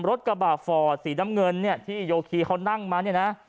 กระบาดฟอร์ดสีน้ำเงินเนี่ยที่โยคีเขานั่งมาเนี่ยนะ